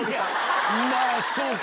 まあ、そうか。